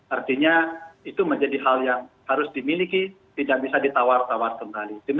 artinya itu menjadi hal yang harus dimiliki tidak bisa ditawar tawar kembali